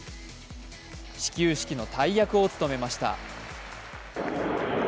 始球式の大役を務めました。